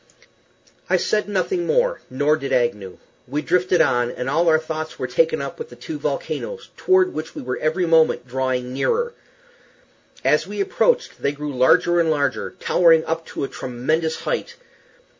I said nothing more, nor did Agnew. We drifted on, and all our thoughts were taken up with the two volcanoes, toward which we were every moment drawing nearer. As we approached they grew larger and larger, towering up to a tremendous height.